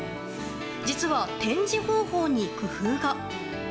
実は展示方法に工夫が。